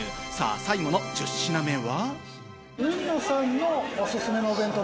最後の１０品目は。